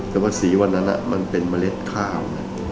แต่ว่าสีวันนั้นมันเป็นเมล็ดข้าว